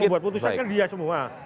yang membuat putusan kan dia semua